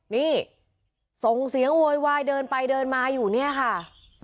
นี่ส่งเสียงโวยวายเดินไปเดินมาอยู่เนี่ยค่ะ